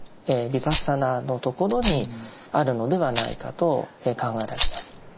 ヴィパッサナーのところにあるのではないかと考えられます。